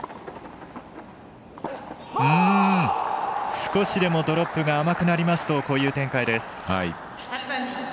少しでもドロップが甘くなりますとこういう展開です。